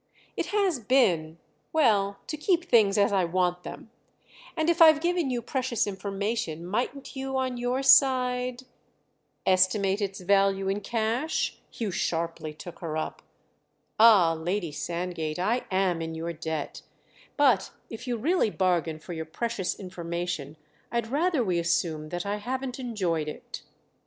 "It has been—well, to keep things as I want them; and if I've given you precious information mightn't you on your side—" "Estimate its value in cash?"—Hugh sharply took her up. "Ah, Lady Sandgate, I am in your debt, but if you really bargain for your precious information I'd rather we assume that I haven't enjoyed it."